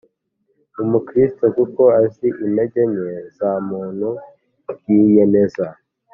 umukristu kuko azi intege nke za muntu yiyemeza